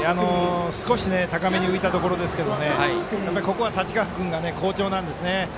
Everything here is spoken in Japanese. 少し高めに浮いたところですけどここは太刀川君が好調なんです。